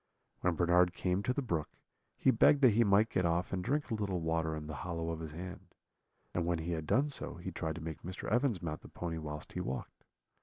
When Bernard came to the brook, he begged that he might get off and drink a little water in the hollow of his hand; and when he had done so, he tried to make Mr. Evans mount the pony whilst he walked.